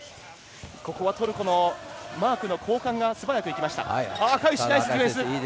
ここはトルコのマークの交換が素早くいきました。